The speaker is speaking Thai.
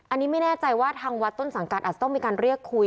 อันนี้ไม่แน่ใจว่าทางวัดต้นสังกัดอาจจะต้องมีการเรียกคุย